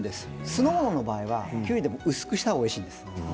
酢の物の場合は、きゅうりでも薄くしたほうがおいしいんです。